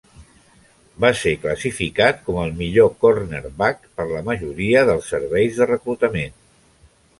Va ser classificat com el millor cornerback per la majoria dels serveis de reclutament.